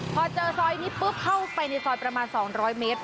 พอเจอซอยนี้ปุ๊บเข้าไปในซอยประมาณ๒๐๐เมตร